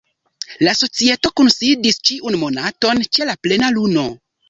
La Societo kunsidis ĉiun monaton ĉe la plena luno.